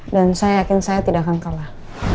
dan saya yakin saya tidak akan kalah